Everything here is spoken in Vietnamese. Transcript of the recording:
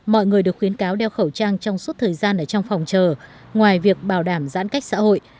mọi người được khuyến cáo đeo khẩu trang trong suốt thời gian ở trong phòng chờ ngoài việc bảo đảm giãn cách xã hội